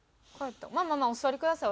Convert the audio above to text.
まあまあまあお座りください